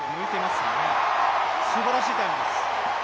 すばらしいタイムです。